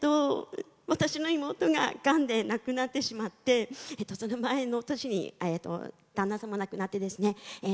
私の妹ががんで亡くなってしまってその前の年に旦那さんも亡くなってですね